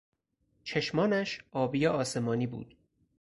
چشمانش آبی آسمانی بود.